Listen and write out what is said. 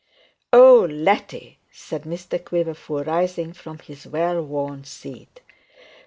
'Oh, Letty!' said Mr Quiverful, rising from his well worn seat.